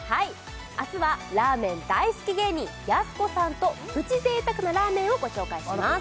明日はラーメン大好き芸人やす子さんとプチ贅沢なラーメンをご紹介します